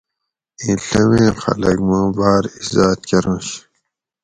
ایں ڷمی خلک ما باۤر ایزات کرنش